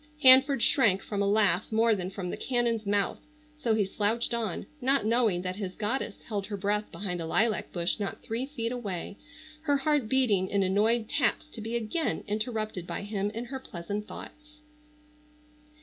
Hanford shrank from a laugh more than from the cannon's mouth, so he slouched on, not knowing that his goddess held her breath behind a lilac bush not three feet away, her heart beating in annoyed taps to be again interrupted by him in her pleasant thoughts.